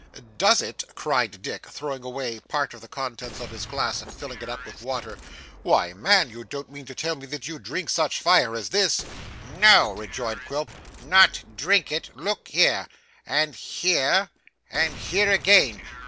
'Does it?' cried Dick, throwing away part of the contents of his glass, and filling it up with water, 'why, man, you don't mean to tell me that you drink such fire as this?' 'No!' rejoined Quilp, 'Not drink it! Look here. And here. And here again.